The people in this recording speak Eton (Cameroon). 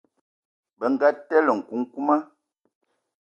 Bënga telé nkukuma.